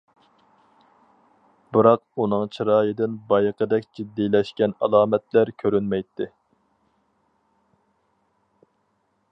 بىراق ئۇنىڭ چىرايىدىن بايىقىدەك جىددىيلەشكەن ئالامەتلەر كۆرۈنمەيتتى.